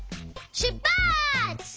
しゅっぱつ！